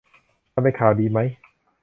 มันเป็นข่าวดีมั้ย